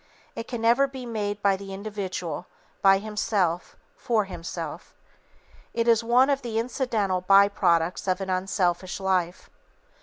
It can never be made by the individual, by himself, for himself. It is one of the incidental by products of an unselfish life.